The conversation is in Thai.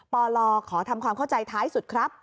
ปลขอทำความเข้าใจท้ายสุดครับ